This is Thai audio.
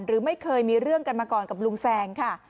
หรือไม่เคยมีเรื่องกันมาก่อนกับลุงแซงค่ะ